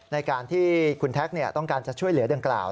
ในการที่คุณแท็กต้องการจะช่วยเหลือดังกล่าว